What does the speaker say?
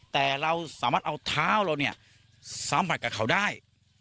แต่เราสามารถเอาเท้าเราเนี่ยสัมผัสกับเขาได้